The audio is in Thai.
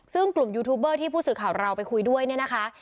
ซึ่งกลุ่มยูทูบเบอร์ที่ผู้สื่อข่าวเราไปคุยด้วยเนี่ยนะคะ